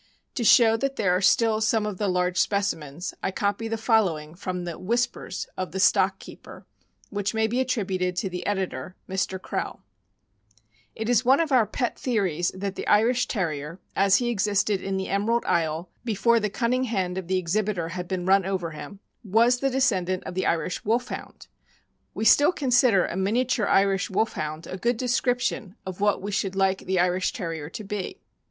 To show that there are still some of the large specimens, I copy the following from the "Whispers" of the Stock Keeper, which may be attributed to the editor, Mr. Krehl: It is one of our pet theories* that the Irish Terrier, as he existed in the Emerald Isle before the cunning hand of the exhibitor had been run over him, was the descendant of the Irish Wolfhound. We still consider "a miniature Irish Wolfhound " a good description of what we should like the Irish Terrier to be.